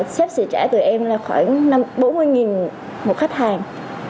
sếp sẽ trả tụi em là khoảng bốn mươi một khách hàng